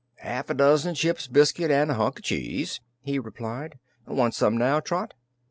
"Half a dozen ship's biscuits an' a hunk o' cheese," he replied. "Want some now, Trot?"